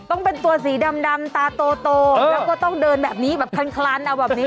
ต้องเป็นตัวสีดำตาโตแล้วก็ต้องเดินแบบนี้แบบคลานเอาแบบนี้